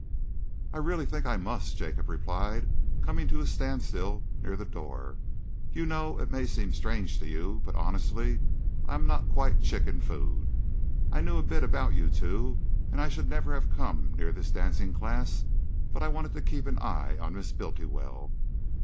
"I really think I must," Jacob replied, coming to a standstill near the door. "You know, it may seem strange to you, but honestly I am not quite chicken food. I knew a bit about you two, and I should never have come near this dancing class but that I wanted to keep an eye on Miss Bultiwell.